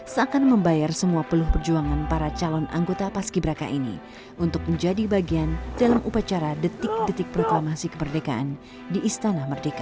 seakan membayar semua peluh perjuangan para calon anggota paski beraka ini untuk menjadi bagian dalam upacara detik detik proklamasi kemerdekaan di istana merdeka